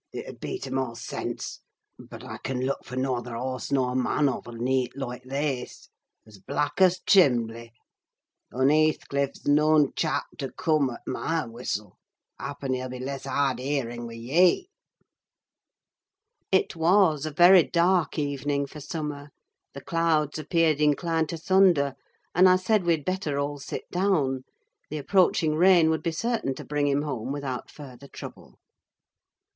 "It 'ud be to more sense. Bud I can look for norther horse nur man of a neeght loike this—as black as t' chimbley! und Heathcliff's noan t' chap to coom at my whistle—happen he'll be less hard o' hearing wi' ye!" It was a very dark evening for summer: the clouds appeared inclined to thunder, and I said we had better all sit down; the approaching rain would be certain to bring him home without further trouble.